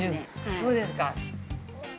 そうですか。